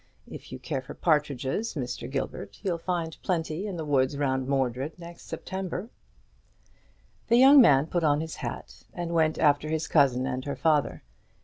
If you care for partridges, Mr. Gilbert, you'll find plenty in the woods round Mordred next September." The young man put on his hat, and went after his cousin and her father.